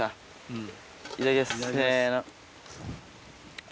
うん。